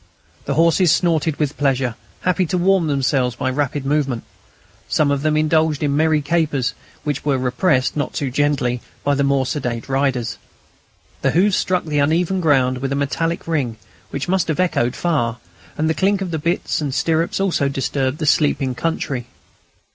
The horses snorted with pleasure, happy to warm themselves by rapid movement. Some of them indulged in merry capers, which were repressed, not too gently, by their more sedate riders. Their hoofs struck the uneven ground with a metallic ring which must have echoed far; and the clink of bits and stirrups also disturbed the sleeping country.